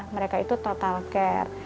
mereka itu total care